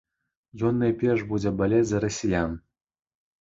Ён найперш будзе балець за расіян.